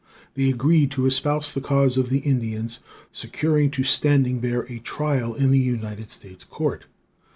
They agreed to espouse the cause of the Indians, securing to Standing Bear a trial in the United States court.